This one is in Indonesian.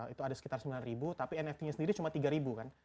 itu ada sekitar sembilan ribu tapi nft nya sendiri cuma tiga ribu kan